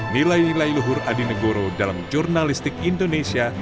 nilai nilai luhur adi negoro dalam jurnalistik indonesia